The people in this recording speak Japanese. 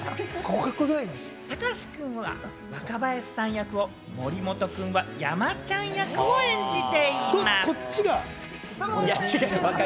高橋君は若林さん役を、森本君は山ちゃん役を演じています。